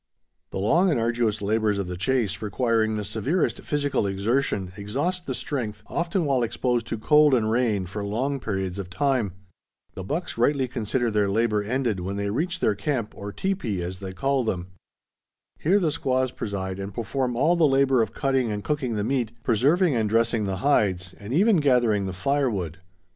The long and arduous labors of the chase, requiring the severest physical exertion, exhaust the strength, often while exposed to cold and rain for long periods of time. The bucks rightly consider their labor ended when they reach their camp, or "teepee" as they call them. Here the squaws preside and perform all the labor of cutting and cooking the meat, preserving and dressing the hides, and even gathering the firewood.